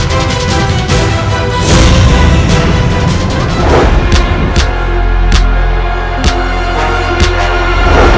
hidup surawi sesa